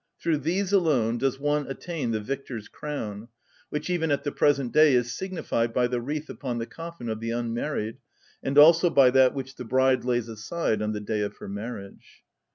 Through these alone does one attain the victor's crown, which even at the present day is signified by the wreath upon the coffin of the unmarried, and also by that which the bride lays aside on the day of her marriage.